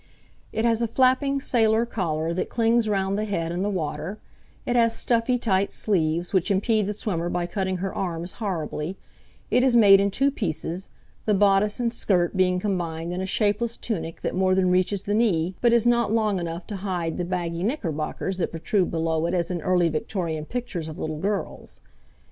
It has a flapping sailor collar that clings round the head in the water; it has stuffy, tight sleeves which impede the swimmer by cutting her arms horribly; it is made in two pieces, the bodice and skirt being combined in a shapeless tunic that more than reaches the knee but is not long enough to hide the baggy knickerbockers that protrude below it as in early Victorian pictures of little girls.